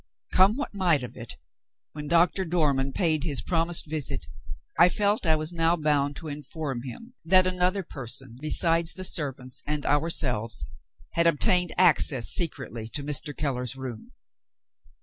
Come what might of it, when Dr. Dormann paid his promised visit, I felt I was now bound to inform him that another person besides the servants and ourselves had obtained access secretly to Mr. Keller's room.